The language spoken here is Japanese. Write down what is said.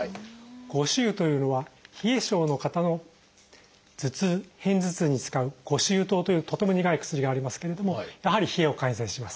呉茱萸というのは冷え症の方の頭痛片頭痛に使う呉茱萸湯というとても苦い薬がありますけれどもやはり冷えを改善します。